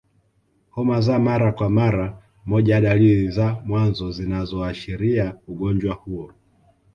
Homa za mara kwa mara moja ya dalili za mwanzo zinazoashiria ugonjwa huo